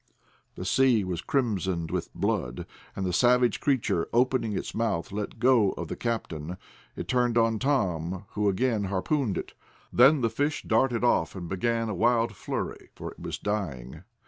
The sea was crimsoned with blood, and the savage creature, opening its mouth, let go of the captain. It turned on Tom, who again harpooned it. Then the fish darted off and began a wild flurry, for it was dying.